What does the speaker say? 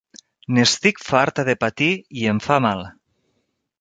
N'estic farta de patir i em fa mal.